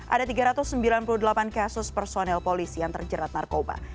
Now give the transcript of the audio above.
ada tiga ratus sembilan puluh delapan kasus personel polisi yang terjerat narkoba